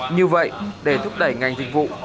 như vậy để thúc đẩy ngành dịch vụ